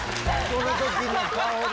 この時の顔が。